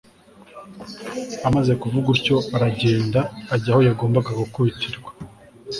amaze kuvuga atyo, aragenda ajya aho yagombaga gukubitirwa